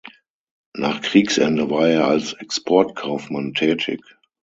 Nach Kriegsende war er als Exportkaufmann tätig.